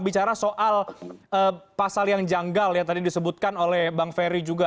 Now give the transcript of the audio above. bicara soal pasal yang janggal yang tadi disebutkan oleh bang ferry juga